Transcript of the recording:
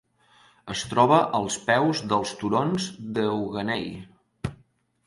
Es troba als peus dels turons d'Euganei.